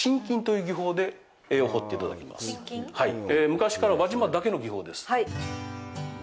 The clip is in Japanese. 昔から輪島だけの技法です。